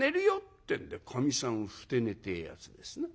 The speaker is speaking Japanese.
ってんでかみさんふて寝てえやつですな。